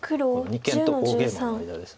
二間と大ゲイマの間です。